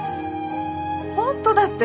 本当だって。